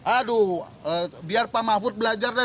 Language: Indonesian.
aduh biar pak mahfud belajar deh